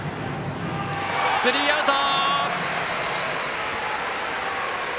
スリーアウト！